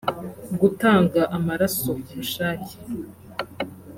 gutanga amaraso ku bushake